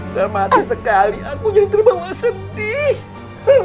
selamat sekali aku jadi terbawa sedih